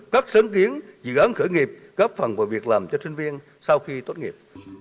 các sáng kiến dự án khởi nghiệp góp phần vào việc làm cho sinh viên sau khi tốt nghiệp